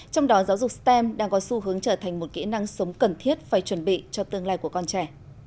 trong đó giáo dục stem đang có xu hướng trở thành một kỹ năng sống cần thiết phải chuẩn bị cho tương lai của con trẻ